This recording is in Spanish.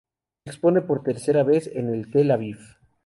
Expone por tercera vez en Tel Aviv.